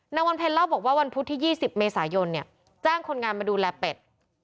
นางวันเพ็ญเล่าบอกว่าวันพุธที่๒๐เมษายนเนี่ยจ้างคนงานมาดูแลเป็ด